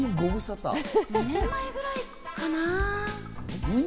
２年前くらいかな？